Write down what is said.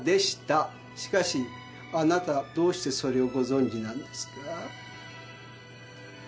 しかしあなたどうしてそれをご存じなんですか？